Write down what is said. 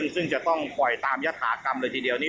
ซึ่งจะต้องปล่อยตามยฐากรรมเลยทีเดียวนี้